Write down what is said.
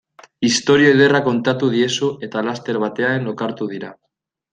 Istorio ederra kontatu diezu eta laster batean lokartu dira.